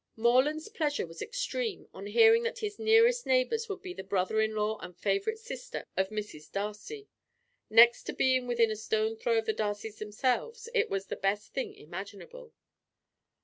Morland's pleasure was extreme on hearing that his nearest neighbours would be the brother in law and favourite sister of Mrs. Darcy. Next to being within a stone's throw of the Darcys themselves, it was the best thing imaginable.